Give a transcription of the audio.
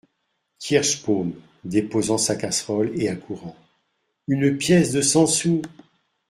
Kirschbaum, déposant sa casserole et accourant. — Une pièce de cent sous !